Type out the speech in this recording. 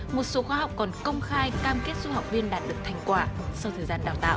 một số khóa học còn công khai cam kết giúp học viên đạt được thành quả sau thời gian đào tạo